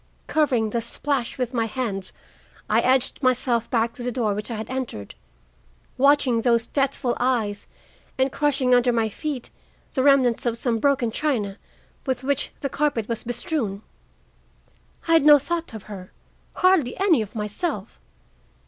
Covering the splash with my hands, I edged myself back to the door by which I had entered, watching those deathful eyes and crushing under my feet the remnants of some broken china with which the carpet was bestrewn. I had no thought of her, hardly any of myself.